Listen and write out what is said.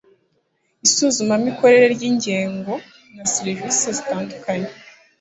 isuzumamikore ry inzego na serivisi zitandukanye